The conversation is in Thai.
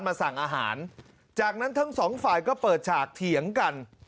สั่งอาหารจากนั้นทั้งสองฝ่ายก็เปิดฉากเถียงกัน